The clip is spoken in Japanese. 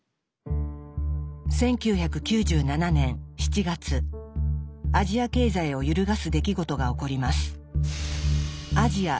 １９９７年７月アジア経済を揺るがす出来事が起こります。